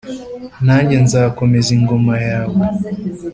nanjye nzakomeza ingoma yawe .